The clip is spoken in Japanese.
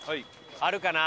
あるかな？